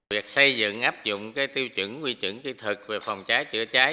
việc xây dựng áp dụng tiêu chuẩn quy chuẩn kỹ thuật về phòng cháy chữa cháy